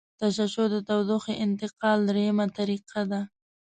تشعشع د تودوخې انتقال دریمه طریقه ده.